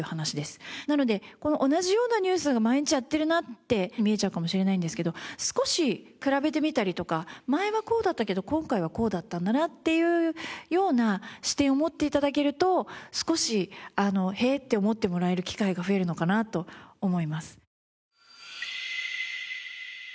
なので同じようなニュースが毎日やってるなって見えちゃうかもしれないんですけど少し比べてみたりとか前はこうだったけど今回はこうだったんだなっていうような視点を持って頂けると少し「へえ」って思ってもらえる機会が増えるのかなと思います。